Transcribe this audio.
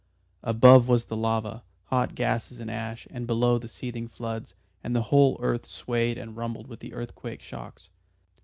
Above was the lava, hot gases and ash, and below the seething floods, and the whole earth swayed and rumbled with the earthquake shocks.